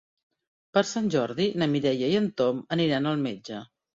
Per Sant Jordi na Mireia i en Tom aniran al metge.